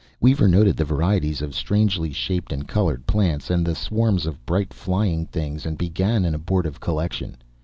Weaver noted the varieties of strangely shaped and colored plants, and the swarms of bright flying things, and began an abortive collection.